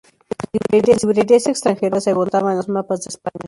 En las librerías extranjeras se agotaban los mapas de España.